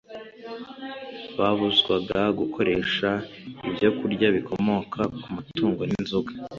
babuzwaga gukoresha ibyokurya bikomoka ku matungo n'inzoga